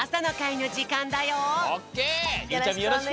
よろしくね。